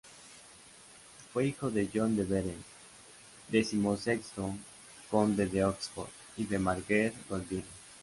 Fue hijo de John de Vere, decimosexto conde de Oxford, y de Margery Golding.